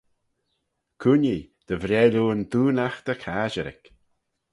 Cooinee dy vreill oo yn doonaght dy casherick.